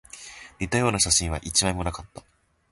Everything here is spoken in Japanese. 似たような写真は一枚もなかった